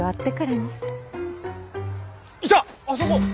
あそこ！